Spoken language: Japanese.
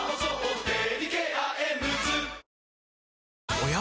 おや？